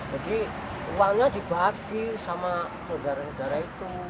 jadi uangnya dibagi sama saudara saudara itu